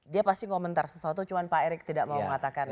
dia pasti komentar sesuatu cuma pak erick tidak mau mengatakan